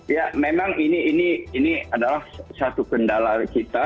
ya memang ini adalah satu kendala kita